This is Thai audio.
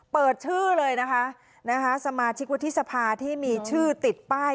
เปิดชื่อเลยนะคะสมาชิกวุฒิสภาที่มีชื่อติดป้าย